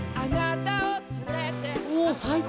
うお最高！